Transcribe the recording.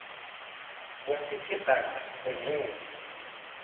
Wasiykiqa quñunmi.